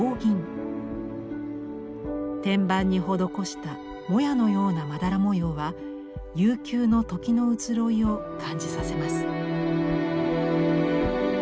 天板に施したもやのようなまだら模様は悠久の時の移ろいを感じさせます。